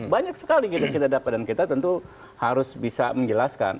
banyak sekali yang kita dapat dan kita tentu harus bisa menjelaskan